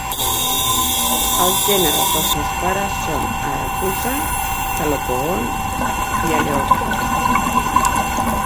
Els gèneres dels seus pares són "Arethusa", "Calopogon" i "Eleorchus".